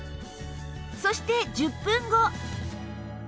そして１０分後